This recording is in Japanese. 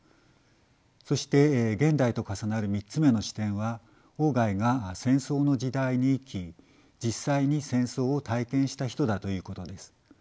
そして現代と重なる３つ目の視点は外が戦争の時代に生き実際に戦争を体験した人だということです。